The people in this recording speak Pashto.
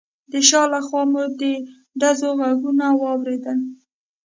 د شا له خوا مو د ډزو غږونه واورېدل.